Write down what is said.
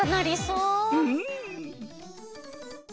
うん！